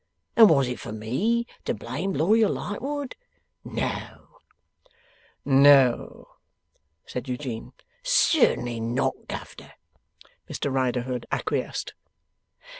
And was it for ME to blame Lawyer Lightwood? No.' 'No,' said Eugene. 'Certainly not, Governor,' Mr Riderhood acquiesced.